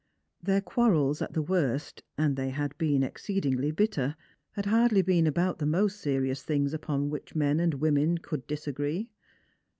Their quarrels at the worst, and they had been exceedingly bitter, had hardly been about the most serious things upon which men and women could disagree.